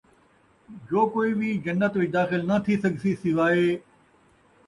جو کوئی وِی جنّت وِچ داخل نہ تِھی سڳسی سوائے